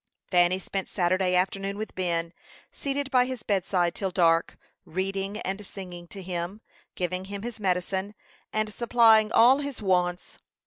Fanny spent Saturday afternoon with Ben, seated by his bedside till dark, reading and singing to him, giving him his medicine, and supplying all his wants.